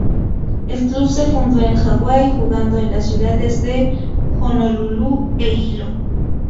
El club se fundó en Hawaii, jugando en las ciudades de Honolulu e Hilo.